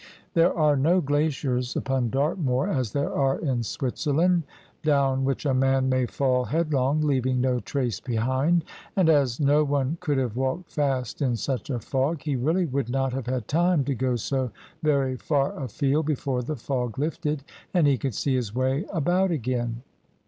There are no glaciers upon Dartmoor, as there are in Switzerland, down which a man may fall headlong, leaving no trace behind : and as no one could have walked fast in such a fog, he really would not have had time to go so very far afield before the fog lifted and he could see his way about again.